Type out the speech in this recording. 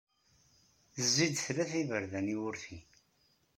Zzi-d tlata iberdan i wurti.